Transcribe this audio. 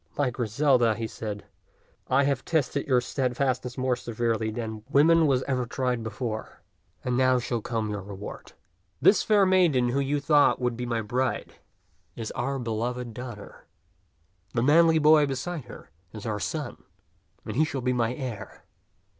"My Griselda," he said, "I have tested your stead fastness more severely than woman was ever tried before, and now shall come your reward. This fair maiden who you thought would be my bride is our beloved daughter. The manly boy beside her is our son, and he shall be my heir.